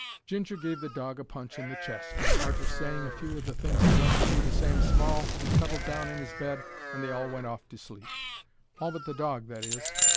Ginger gave the dog a punch in the chest, and, arter saying a few o' the things he'd like to do to Sam Small, he cuddled down in 'is bed and they all went off to sleep. All but the dog, that is.